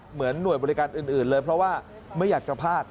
เหมือนหน่วยบริการอื่นเลยเพราะว่าไม่อยากจะพลาด